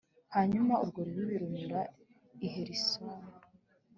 hanyuma urwo rubibi runyura i hesironi